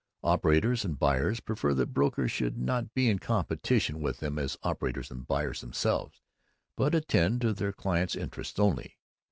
Operators and buyers prefer that brokers should not be in competition with them as operators and buyers themselves, but attend to their clients' interests only.